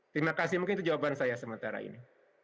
terima kasih mungkin itu jawaban saya sementara ini